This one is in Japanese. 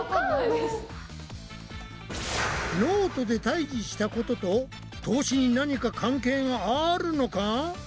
ノートで退治したことと透視に何か関係があるのか？